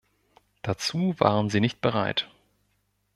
Dazu waren Sie nicht bereit.